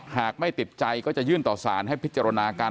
หากไม่ติดใจก็จะยื่นต่อสารให้พิจารณาการ